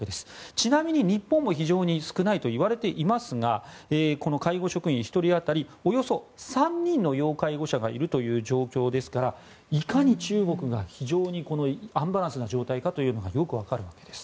ちなみに日本も非常に少ないといわれていますがこの介護職員１人当たりおよそ３人の要介護者がいるという状況ですからいかに中国が、非常にアンバランスな状態かというのがよくわかるわけです。